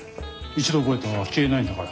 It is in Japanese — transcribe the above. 一度覚えたら消えないんだから。